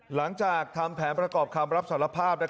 หลังจากทำแผนประกอบคำรับสารภาพ